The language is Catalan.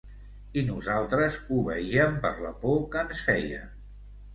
I nosaltres obeíem per la por que ens feien.